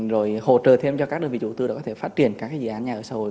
rồi hỗ trợ thêm cho các đơn vị chủ tư đó có thể phát triển các dự án nhà ở xã hội